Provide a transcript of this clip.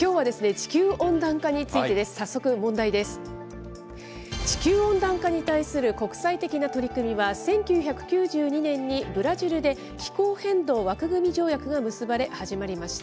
地球温暖化に対する国際的な取り組みは１９９２年にブラジルで気候変動枠組条約が結ばれ始まりました。